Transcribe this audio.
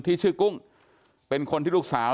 ที่ชื่อกุ้งเป็นคนที่ลูกสาว